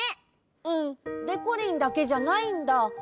うん。でこりんだけじゃないんだ。